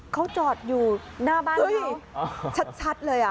เขาจอดอยู่หน้าบ้านพี่ชัดเลย